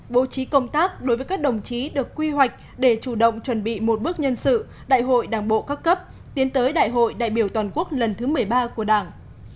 bố trí công tác đối với các đồng chí được quy hoạch để chủ động chuẩn bị một bước nhân sự đại hội đảng bộ các cấp tiến tới đại hội đại biểu toàn quốc lần thứ một mươi ba của đảng